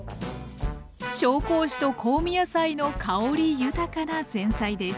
紹興酒と香味野菜の香り豊かな前菜です。